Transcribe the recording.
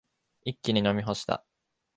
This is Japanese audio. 一気に飲み干した。